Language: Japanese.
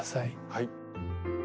はい。